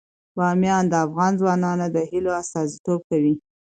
بامیان د افغان ځوانانو د هیلو استازیتوب کوي.